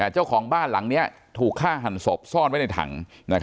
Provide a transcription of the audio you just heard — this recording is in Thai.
เจ้าของบ้านหลังนี้ถูกฆ่าหันศพซ่อนไว้ในถัง